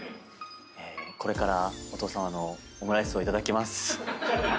これからお父さまのオムライスをいただきます。